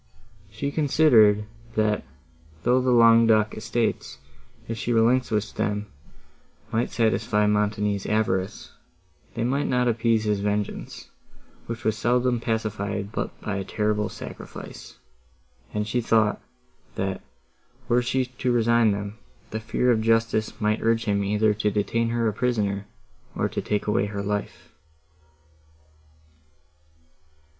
She considered, that, though the Languedoc estates, if she relinquished them, would satisfy Montoni's avarice, they might not appease his vengeance, which was seldom pacified but by a terrible sacrifice; and she even thought, that, were she to resign them, the fear of justice might urge him either to detain her a prisoner, or to take away her life.